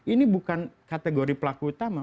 ini bukan kategori pelaku utama